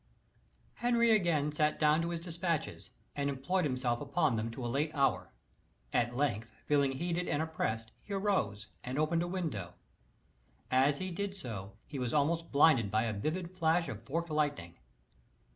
Henry again sat down to his despatches, and employed himself upon them to a late hour. At length, feeling heated and oppressed, he arose, and opened a window. As he did so, he was almost blinded by a vivid flash of forked lightning.